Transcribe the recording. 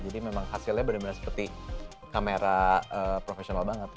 jadi memang hasilnya benar benar seperti kamera profesional banget